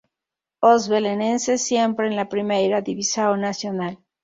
Os Belenenses, siempre en la Primeira Divisão Nacional.